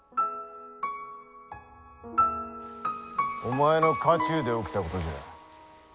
お前の家中で起きたことじゃ。